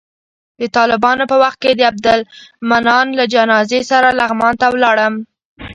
د طالبانو په وخت کې د عبدالمنان له جنازې سره لغمان ته ولاړم.